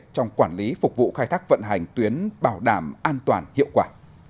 trong quản lý phục vụ khai thác vận hành tuyến bảo đảm an toàn hiệu quả